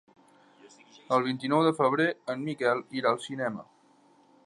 El vint-i-nou de febrer en Miquel irà al cinema.